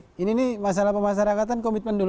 mas budi jadi ini masalah pemasarakatan komitmen dulu